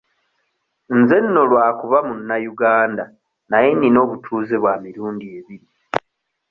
Nze nno lwakuba munnayuganda naye nina obutuuze bwa mirundi ebiri.